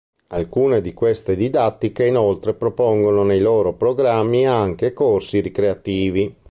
Alcune di queste didattiche inoltre propongono nei loro programmi anche corsi ricreativi.